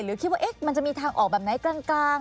หรือคิดว่ามันจะมีทางออกแบบไหนกลาง